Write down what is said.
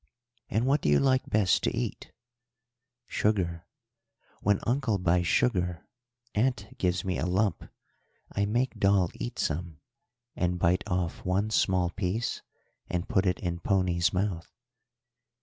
"And what do you like best to eat?" "Sugar. When uncle buys sugar, aunt gives me a lump. I make doll eat some, and bite off one small piece and put it in pony's mouth."